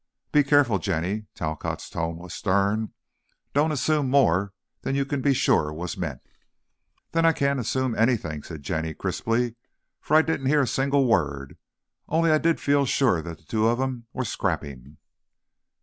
"Be careful, Jenny," Talcott's tones were stern, "don't assume more than you can be sure was meant." "Then I can't assume anything," said Jenny, crisply, "for I didn't hear a single word, only I did feel sure the two of 'em was scrapping."